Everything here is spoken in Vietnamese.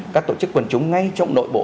các tổ chức quần chúng ngay trong nội bộ